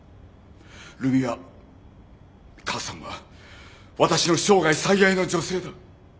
留美は母さんは私の生涯最愛の女性だ。